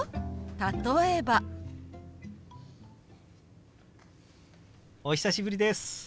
例えば。お久しぶりです。